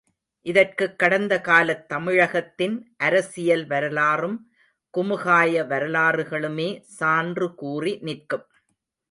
இதற்குக் கடந்த காலத் தமிழகத்தின் அரசியல் வரலாறும், குமுகாய வரலாறுகளுமே சான்று கூறி நிற்கும்.